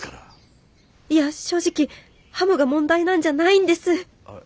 いや正直ハムが問題なんじゃないんです！